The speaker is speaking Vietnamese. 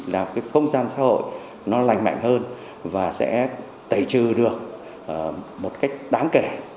là cái không gian xã hội nó lành mạnh hơn và sẽ tẩy trừ được một cách đáng kể